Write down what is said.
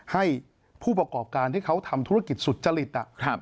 ให้ผู้ประกอบการที่เขาทำธุรกิจสุจริต